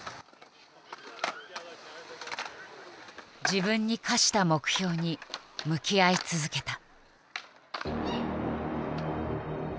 自分に課した目標に向き合い続けた。